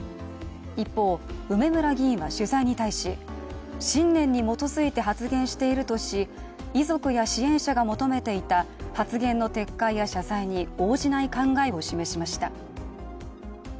一方、梅村議員は取材に対し信念に基づいて発言しているとし、遺族や支援者が求めていた発言の撤回や謝罪に応じない考えを示しました。